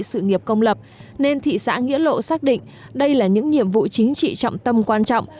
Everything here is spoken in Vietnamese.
sự nghiệp công lập nên thị xã nghĩa lộ xác định đây là những nhiệm vụ chính trị trọng tâm quan trọng